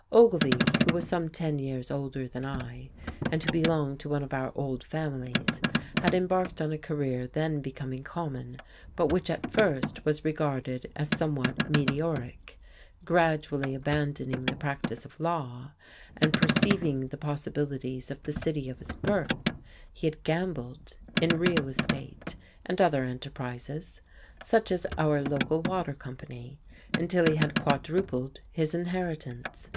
Ogilvy, who was some ten years older than I, and who belonged to one of our old families, had embarked on a career then becoming common, but which at first was regarded as somewhat meteoric: gradually abandoning the practice of law, and perceiving the possibilities of the city of his birth, he had "gambled" in real estate and other enterprises, such as our local water company, until he had quadrupled his inheritance.